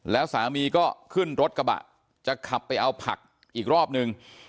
แล้วสามีก็ขึ้นรถกระบะจะขับไปเอาผักอีกรอบนึง